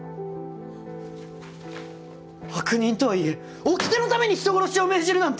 悪人とはいえおきてのために人殺しを命じるなんて！